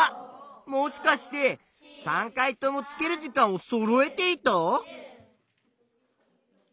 もしかして３回とも付ける時間をそろえていた？